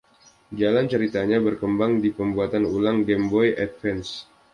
Jalan ceritanya berkembang di pembuatan ulang Game Boy Advance.